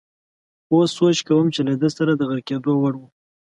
اوس سوچ کوم چې له ده سره د غرقېدو وړ وو.